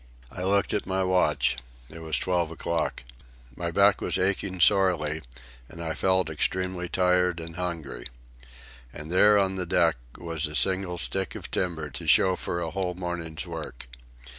I looked at my watch. It was twelve o'clock. My back was aching sorely, and I felt extremely tired and hungry. And there on the deck was a single stick of timber to show for a whole morning's work.